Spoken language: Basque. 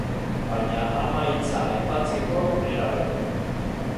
Baina ama hitza aipatzeko herabe.